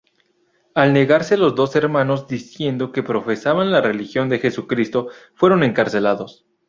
Al negarse los dos hermanos diciendo que profesaban la religión de Jesucristo fueron encarcelados.